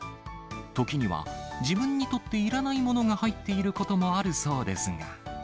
時には、自分にとっていらないものが入っていることもあるそうですが。